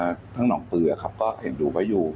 อ่าทั้งน้องปืนอ่ะครับก็เห็นดูไว้อยู่